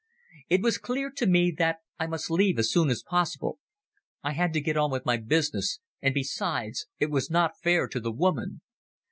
It was clear to me that I must leave as soon as possible. I had to get on with my business, and besides, it was not fair to the woman.